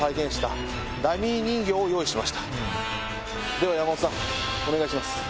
では山本さんお願いします。